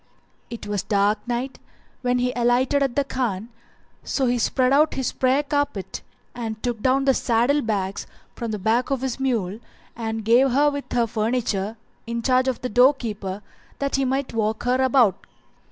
It was dark night when he alighted at the Khan, so he spread out his prayer carpet and took down the saddle bags from the back of the mule and gave her with her furniture in charge of the door keeper that he might walk her about.